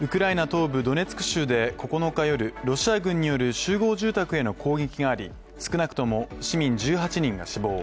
東部ドネツク州で９日夜、ロシア軍による集合住宅への攻撃があり少なくとも市民１８人が死亡。